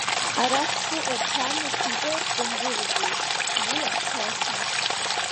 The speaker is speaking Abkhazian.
Арахь, сыҟоуп ҳәа амҩа дшангылац дангылоуп уи, ҳгәыла Қаласа.